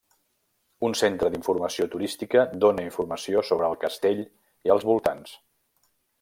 Un centre d'informació turística dóna informació sobre el castell i els voltants.